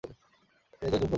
এ যে যুগ-বদল!